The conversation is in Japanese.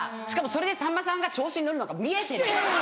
しかもそれでさんまさんが調子に乗るのが見えてるから。